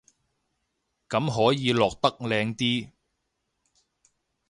咁可以落得靚啲